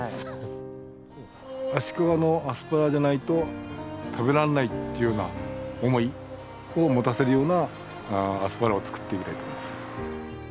足利のアスパラじゃないと食べられないというような思いを持たせるようなアスパラを作っていきたいと思います。